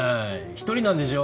１人なんでしょ。